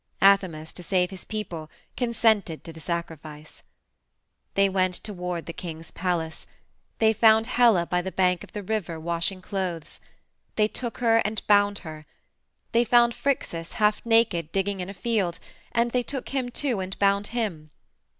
Athamas, to save his people, consented to the sacrifice. "They went toward the king's palace. They found Helle by the bank of the river washing clothes. They took her and bound her. They found Phrixus, half naked, digging in a field, and they took him, too, and bound him.